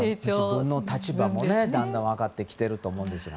自分の立場もだんだん分かってきてると思うんですが。